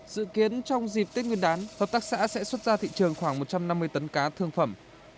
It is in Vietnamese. dự kiến trong dịp tết nguyên đán hợp tác xã sẽ xuất ra thị trường khoảng một trăm năm mươi tấn cá thương phẩm